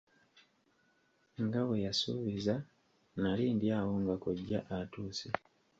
Nga bwe yasuubiza, nali ndi awo nga kkojja atuuse.